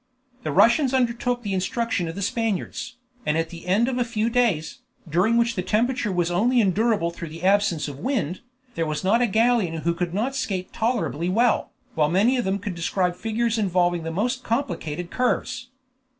The Russians undertook the instruction of the Spaniards, and at the end of a few days, during which the temperature was only endurable through the absence of wind, there was not a Gallian who could not skate tolerably well, while many of them could describe figures involving the most complicated curves.